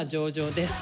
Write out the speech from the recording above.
です。